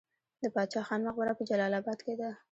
د باچا خان مقبره په جلال اباد کې ده